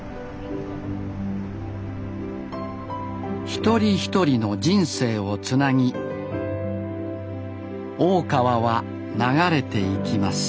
一人一人の人生をつなぎ大川は流れていきます